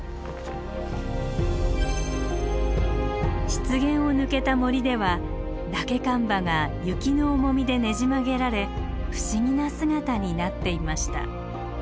湿原を抜けた森ではダケカンバが雪の重みでねじ曲げられ不思議な姿になっていました。